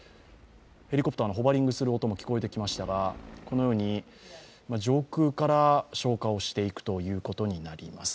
ヘリコプターのホバリングする音も聞こえてきましたがこのように上空から消火をしていくということになります。